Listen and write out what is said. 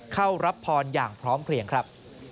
เข้ารับพรอย่างพร้อมเพลียงครับ